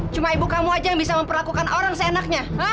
cuma ibu kamu aja yang bisa memperlakukan orang seenaknya